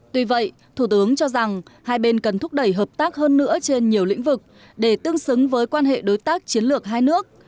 tuy vậy thủ tướng cho rằng hai bên cần thúc đẩy hợp tác hơn nữa trên nhiều lĩnh vực để tương xứng với quan hệ đối tác chiến lược hai nước